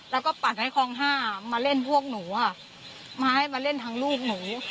แล้วก็ปั่นให้คลอง๕มาเล่นพวกหนูมาให้มาเล่นทางลูกหนู